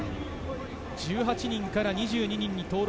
１８人から２２人に登録